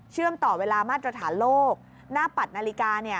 เชื่อมต่อเวลามาตรฐานโลกหน้าปัดนาฬิกาเนี่ย